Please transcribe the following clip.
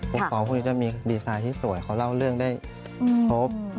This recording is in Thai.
พวกสองคุณจะมีดีไซน์ที่สวยเขาเล่าเรื่องได้ครบ